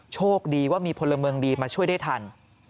โชคดีว่ามีพลเมืองดีมาช่วยได้ทัน